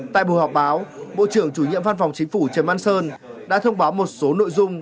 tại buổi họp báo bộ trưởng chủ nhiệm văn phòng chính phủ trần văn sơn đã thông báo một số nội dung